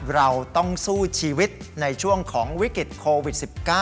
เราต้องสู้ชีวิตในช่วงของวิกฤตโควิด๑๙